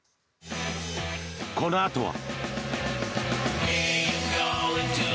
このあとは。